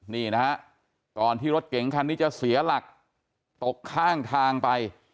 นี่นะฮะก่อนที่รถเก๋งคันนี้จะเสียหลักตกข้างทางไป